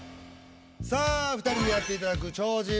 さあ２人にやっていただく弔辞。